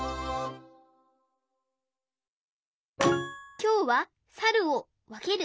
きょうはサルをわける！